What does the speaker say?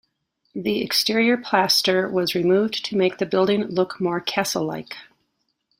The exterior plaster was removed to make the building look more castle-like.